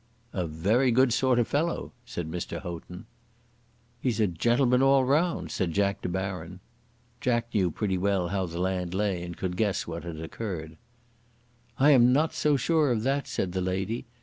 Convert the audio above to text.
"A very good sort of fellow," said Mr. Houghton. "He's a gentleman all round," said Jack De Baron. Jack knew pretty well how the land lay and could guess what had occurred. "I am not so sure of that," said the lady.